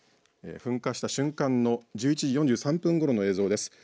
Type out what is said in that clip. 噴火した瞬間の１１時４３分ごろの映像です。